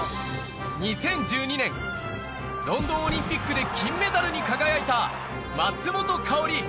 ２０１２年、ロンドンオリンピックで金メダルに輝いた、松本薫。